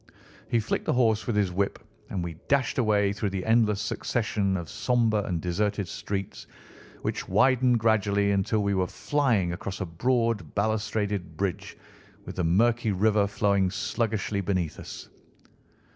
He flicked the horse with his whip, and we dashed away through the endless succession of sombre and deserted streets, which widened gradually, until we were flying across a broad balustraded bridge, with the murky river flowing sluggishly beneath us.